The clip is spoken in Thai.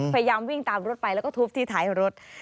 พยายามวิ่งตามรถไปแล้วก็ทุบที่ท้ายรถ